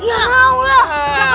ya mau lah